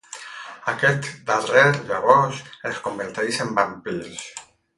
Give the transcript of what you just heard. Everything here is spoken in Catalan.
Aquest darrer, llavors, els converteix en vampirs.